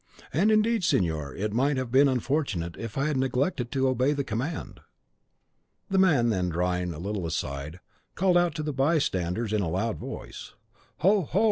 And indeed, signor, it might have been unfortunate if I had neglected to obey the command." The man then, drawing a little aside, called out to the bystanders in a loud voice, "Ho, ho!